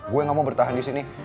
gue gak mau bertahan di sini